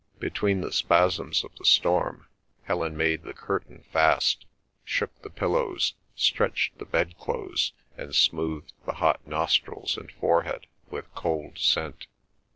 Between the spasms of the storm, Helen made the curtain fast, shook the pillows, stretched the bed clothes, and smoothed the hot nostrils and forehead with cold scent.